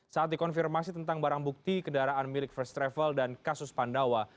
saat dikonfirmasi tentang barang bukti kendaraan milik first travel dan kasus pandawa